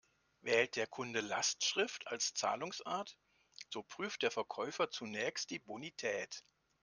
Wählt der Kunde Lastschrift als Zahlungsart, so prüft der Verkäufer zunächst die Bonität.